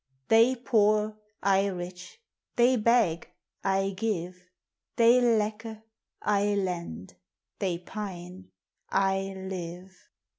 They poor, T rich ; they beg, I give ; They lacke, I lend ; they pine, I live.